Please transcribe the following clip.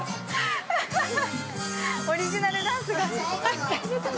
オリジナルダンスが。